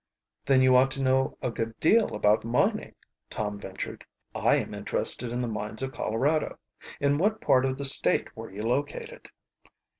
"Then you ought to know a good deal about mining," Tom ventured. "I am interested in the mines of Colorado. In what part of the State were you located?"